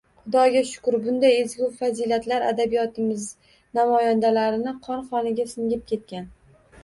Xudoga shukur, bunday ezgu fazilatlar adabiyotimiz namoyandalarini qon-qoniga singib ketgan